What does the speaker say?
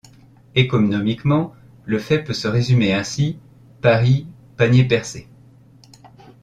Économiquement, le fait peut se résumer ainsi: Paris panier percé.